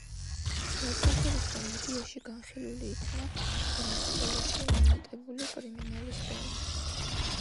საერთაშორისო მედიაში განხილული იქნა ვენესუელაში მომატებული კრიმინალის დონე.